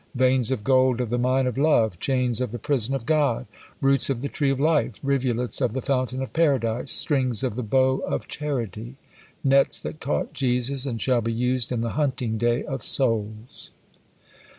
Veins of gold of the mine of love! Chains of the prison of God! Roots of the tree of life! Rivulets of the fountain of Paradise! Strings of the bow of charity! Nets that caught Jesus, and shall be used in the hunting day of souls!"